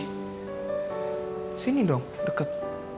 di sini dong deket